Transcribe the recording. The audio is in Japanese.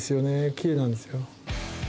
きれいなんですよ。